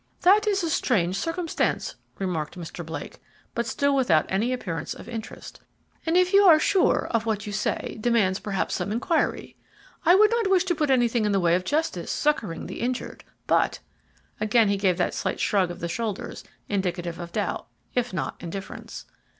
"That is a strange circumstance," remarked Mr. Blake, but still without any appearance of interest, "and if you are sure of what you say, demands, perhaps, some inquiry. I would not wish to put anything in the way of justice succoring the injured. But " again he gave that slight shrug of the shoulders, indicative of doubt, if not indifference.